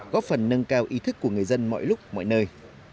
góp phần nâng cao ý thức của người dân mọi lúc mọi nơi